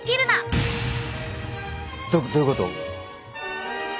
どどういうこと？